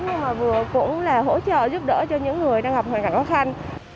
nhưng mà vừa cũng là hỗ trợ giúp đỡ cho những người đang gặp hoàn cảnh khó khăn